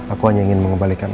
aku hanya ingin mengembalikannya